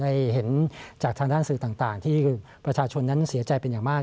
ได้เห็นจากทางด้านสื่อต่างที่ประชาชนนั้นเสียใจเป็นอย่างมาก